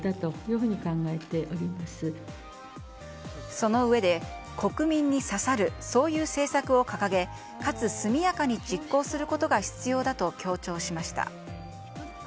そのうえで、国民に刺さるそういう政策を掲げかつ速やかに実行することが必要だと強調しました。